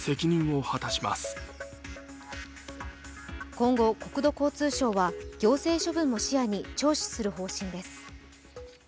今後、国土交通省は行政処分も視野に聴取する方針です。